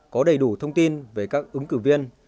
có đầy đủ thông tin về các ứng cử viên